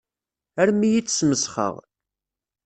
Armi i tt-smesxeɣ.